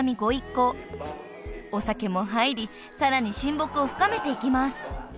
［お酒も入りさらに親睦を深めていきます］